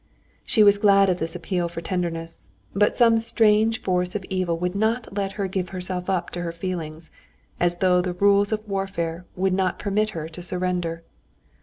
She was glad of this appeal for tenderness. But some strange force of evil would not let her give herself up to her feelings, as though the rules of warfare would not permit her to surrender.